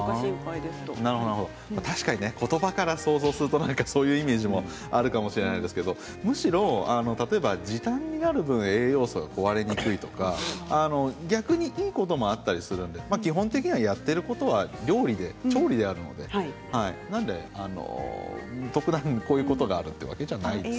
確かに言葉から想像すると、そういうイメージもあるかもしれないですけどむしろ例えば時短になる分栄養素が壊れにくいとか逆にいいこともあったりするので基本的にはやっていることは料理、調理であるということです。